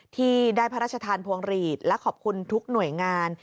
ที่ได้พระราชทานพวงหลีดและขอบคุณทุกหน่วยงาน